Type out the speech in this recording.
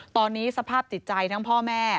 ตอนนี้สภาพจิตใจทั้งพ่อแม่